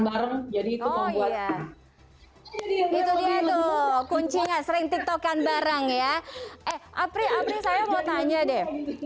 bareng jadi itu membuat itu dia tuh kuncinya sering tiktokan bareng ya eh afrik afrik saya mau tanya deh